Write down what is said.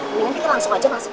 mendingan kita langsung aja masuk